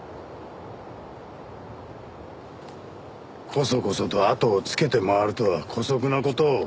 こそこそとあとをつけて回るとは姑息な事を。